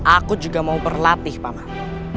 aku juga mau berlatih paman